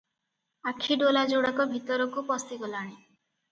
ଆଖି ଡୋଳା ଯୋଡ଼ାକ ଭିତରକୁ ପଶିଗଲାଣି ।